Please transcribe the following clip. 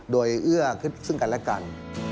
โดยเอื้อซึ่งกันและกัน